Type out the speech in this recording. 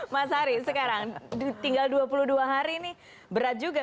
mas ari sekarang tinggal dua puluh dua hari ini berat juga